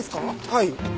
はい。